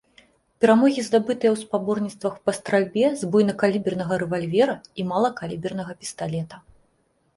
Перамогі здабытыя ў спаборніцтвах па стральбе з буйнакалібернага рэвальвера і малакалібернага пісталета.